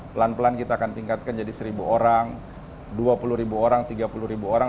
pelan pelan kita akan tingkatkan jadi seribu orang dua puluh ribu orang tiga puluh ribu orang